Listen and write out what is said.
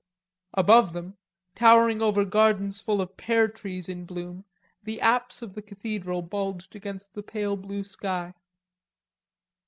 Above them, towering over gardens full of pear trees in bloom, the apse of the cathedral bulged against the pale sky.